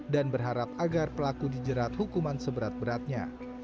dan berharap agar pelaku dijerat hukuman seberat beratnya